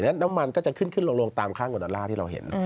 น้ำมันก็จะขึ้นขึ้นลงตามค่าเงินดอลลาร์ที่เราเห็น